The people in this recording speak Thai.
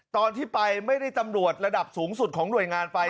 ตอนที่ไปไม่ได้ตำรวจระดับสูงสุดของหน่วยงานไป